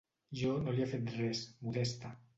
Jo no li he fet res, Modesta.